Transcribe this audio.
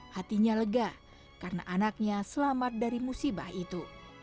hatinya lega karena anaknya selamat dari musibah itu